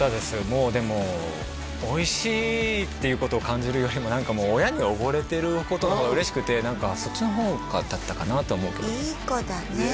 もうでもおいしいっていうことを感じるよりも何かもう親におごれてることの方が嬉しくて何かそっちの方だったかなとは思うけどいい子だねね